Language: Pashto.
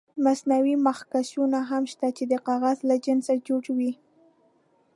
مصنوعي مخکشونه هم شته چې د کاغذ له جنسه جوړ وي.